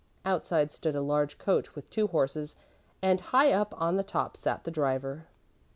Outside stood a large coach with two horses and high up on the top sat the driver.